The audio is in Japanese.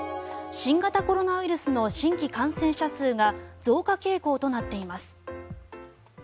新型コロナウイルスの新規感染者数が増加傾向となっています。